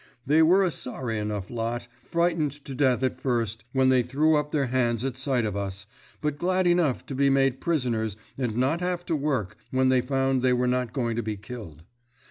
They were a sorry enough lot, frightened to death at first, when they threw up their hands at sight of us, but glad enough to be made prisoners and not have to work, when they found they were not going to be killed.